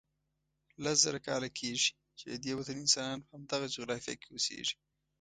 لس زره کاله کېږي چې ددې وطن انسانان په همدغه جغرافیه کې اوسیږي.